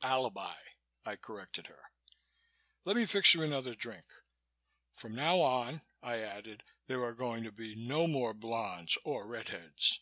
"Alibi," I corrected her. "Let me fix you another drink. From now on," I added, "there are going to be no more blondes or red heads.